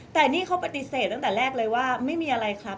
แต่นี่เขาปฏิเสธตั้งแต่แรกเลยว่าไม่มีอะไรครับ